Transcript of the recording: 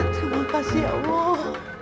terima kasih ya allah